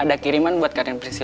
ada kiriman buat karin priscila